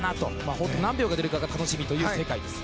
本当に何秒出るかが楽しみな世界です。